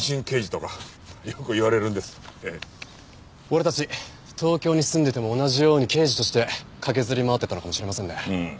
俺たち東京に住んでても同じように刑事として駆けずり回ってたのかもしれませんね。